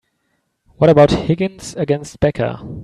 What about Higgins against Becca?